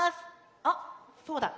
あっそうだ。